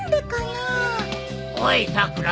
おいさくら。